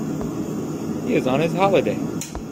He is on his holiday.